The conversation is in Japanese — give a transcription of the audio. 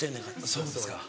そうですか。